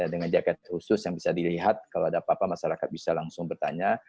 dengan jaket khusus yang bisa dilihat kalau ada apa apa masyarakat bisa langsung bertanya